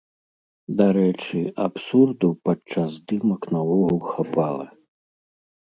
Дарэчы, абсурду падчас здымак наогул хапала.